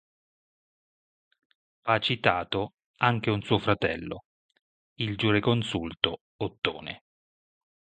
Va citato anche un suo fratello, il giureconsulto Ottone.